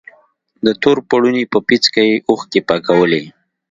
د تور پوړني په پيڅکه يې اوښکې پاکولې.